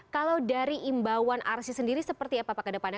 kalau dari imbauan arsi sendiri seperti apa pak ke depannya